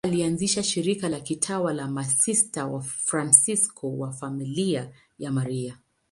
Pia alianzisha shirika la kitawa la Masista Wafransisko wa Familia ya Maria.